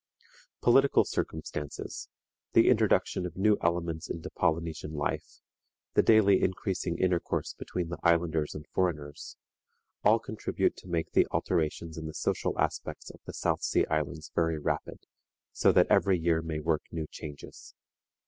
Political circumstances; the introduction of new elements into Polynesian life; the daily increasing intercourse between the islanders and foreigners, all contribute to make the alterations in the social aspects of the South Sea Islands very rapid, so that every year may work new changes.